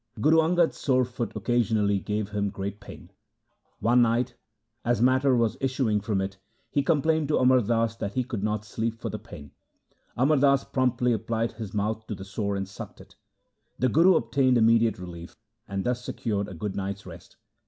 Guru Angad's sore foot occasionally gave him great pain. One night, as matter was issuing from it, he LIFE OF GURU ANGAD complained to Amar Das that he could not sleep for the pain. Amar Das promptly applied his mouth to the sore and sucked it. The Guru obtained imme diate relief and thus secured a good night's rest.